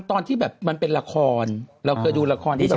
ตอนที่เป็นละคร